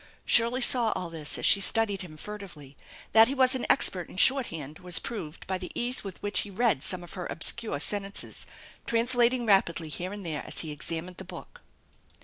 Shirley saw all this as she studied him furtively. That he was an expert in short hand was proved by the ease with which he read some of her obscure sentences, translating rapidly here and there as he examined the book.